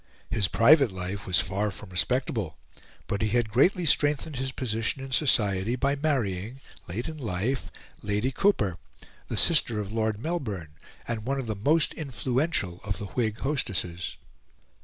His private life was far from respectable, but he had greatly strengthened his position in society by marrying, late in life, Lady Cowper, the sister of Lord Melbourne, and one of the most influential of the Whig hostesses.